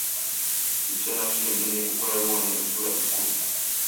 Icyo nashimye ni uko yabonye imvura ikubye